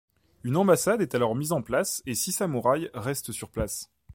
Une ambassade est alors mise en place et six samouraïs restent sur place.